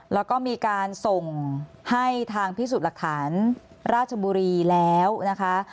แล้วก็มีการส่งให้ทางพิสูจน์หลักฐานราชบุรีแล้วนะคะ